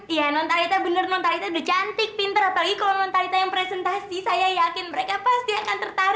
iya non talita bener non talita udah cantik pinter apalagi kalau non talita yang presentasi saya yakin mereka pasti akan menangkan kita ya kan